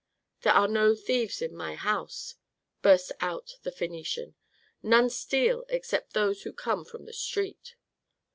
"There are no thieves in my house!" burst out the Phœnician. "None steal except those who come from the street."